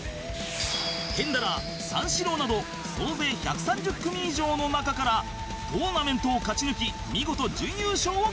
テンダラー三四郎など総勢１３０組以上の中からトーナメントを勝ち抜き見事準優勝を獲得